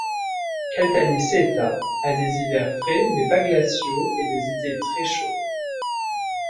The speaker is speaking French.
Caltanissetta a des hivers frais mais pas glaciaux et des étés très chauds.